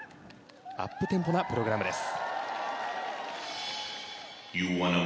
アップテンポなプログラムです。